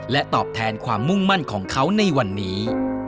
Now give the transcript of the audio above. ตอบแทนความมุ่งมั่นของเขาในวันนี้